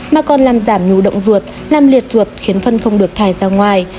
mà còn làm giảm nhù động ruột làm liệt ruột khiến phân không được thải ra ngoài